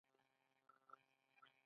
د مهترلام بابا زیارت تاریخي دی